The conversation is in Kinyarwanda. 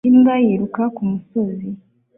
Imbwa yiruka kumusozi